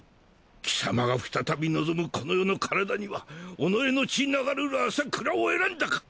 貴様が再び望むこの世の体には己の血流るる麻倉を選んだか！